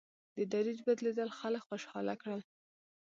د دریځ بدلېدل خلک خوشحاله کړل.